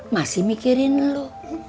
masih mikirin lo